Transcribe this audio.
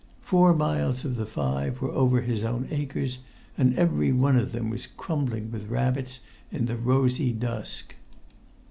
Four miles of the five were over his own acres, and every one of them was crumbling with rabbits in the rosy dusk.